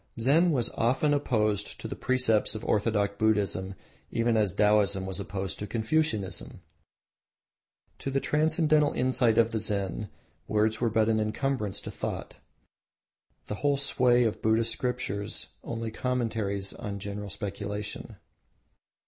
Zen was often opposed to the precepts of orthodox Buddhism even as Taoism was opposed to Confucianism. To the transcendental insight of the Zen, words were but an incumbrance to thought; the whole sway of Buddhist scriptures only commentaries on personal speculation.